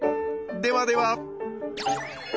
ではでは。